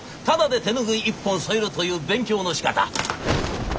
ただで手拭い１本添えるという勉強のしかた。